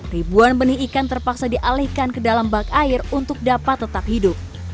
ribuan benih ikan terpaksa dialihkan ke dalam bak air untuk dapat tetap hidup